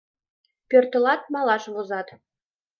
Пӧртылат, малаш возат